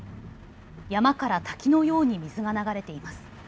山から滝のように水が流れています。